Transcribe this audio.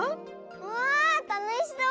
わあたのしそう！